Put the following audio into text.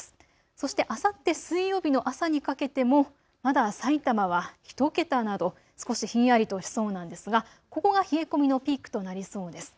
そしてあさって水曜日の朝にかけてもまださいたまは１桁など少しひんやりとしそうなんですがここが冷え込みのピークとなりそうです。